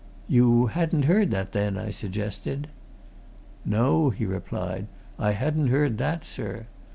"You hadn't heard that, then?" I suggested. "No," he replied. "I hadn't heard that, sir.